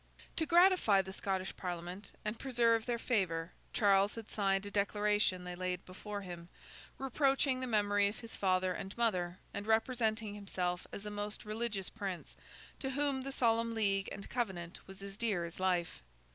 To gratify the Scottish Parliament, and preserve their favour, Charles had signed a declaration they laid before him, reproaching the memory of his father and mother, and representing himself as a most religious Prince, to whom the Solemn League and Covenant was as dear as life.